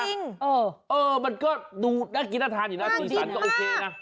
เออมันก็ดูน่ากินน่าทานอยู่นะสีสันก็โอเคนะ